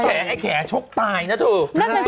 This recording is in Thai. ไอ้แข็วชกตายนะเถอะ